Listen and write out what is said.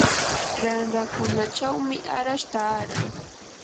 ranrakunachawmi arash taaran.